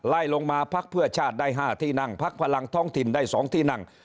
ไล่ลงมาพักเพื่อชาติได้๕ที่นั่งพักพลังท้องถิ่นได้๒ที่นั่ง